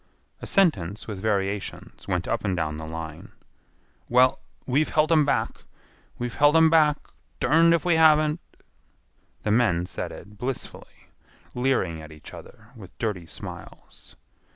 A sentence with variations went up and down the line. "Well, we've helt 'em back. We've helt 'em back; derned if we haven't." The men said it blissfully, leering at each other with dirty smiles.